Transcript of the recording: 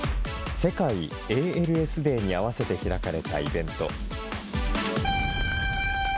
世界ＡＬＳデーに合わせて開かれたイベント。